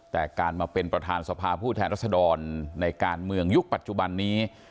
แต่การมาเป็นประธานสภาผู้แทนรัศดรในการเมืองยุคปัจจุบันนี้